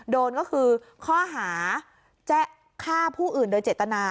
โดนก็คือข้อหาฆ่าผู้อื่นโดยเจตนา